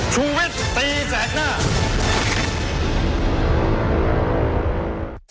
ชูเวชตีแสกหน้า